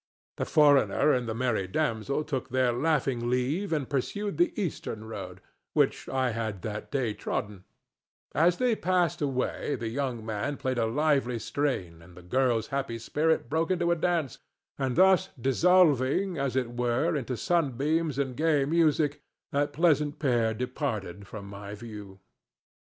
The foreigner and the merry damsel took their laughing leave and pursued the eastern road, which I had that day trodden; as they passed away the young man played a lively strain and the girl's happy spirit broke into a dance, and, thus dissolving, as it were, into sunbeams and gay music, that pleasant pair departed from my view.